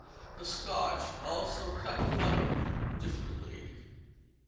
The Scotch also cut mutton differently.